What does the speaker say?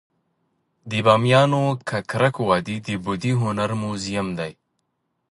د بامیانو ککرک وادي د بودايي هنر موزیم دی